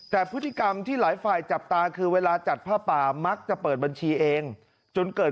แต่พฤติกรรมที่หลายฝ่ายจับตาคือเวลาจัดผ้าป่ามักจะเปิดบัญชีเองจนเกิด